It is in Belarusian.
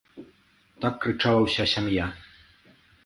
Так крычала ўся сям'я.